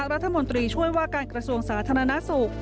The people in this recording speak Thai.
รัฐมนตรีช่วยว่าการกระทรวงสาธารณสุข